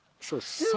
そうです。